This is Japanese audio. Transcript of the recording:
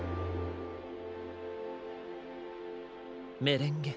メレンゲ。